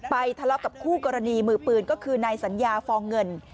ทะเลาะกับคู่กรณีมือปืนก็คือนายสัญญาฟองเงิน